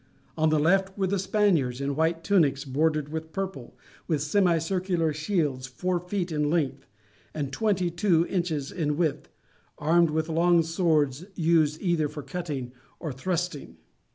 On the left were the Spaniards, in white tunics bordered with purple, with semicircular shields four feet in length and thirty two inches in width, armed with long swords used either for cutting or thrusting.